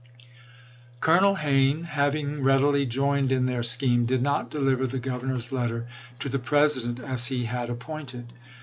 Colonel Hayne, having readily joined in their scheme, did not deliver the Governor's letter to the President as he had appointed.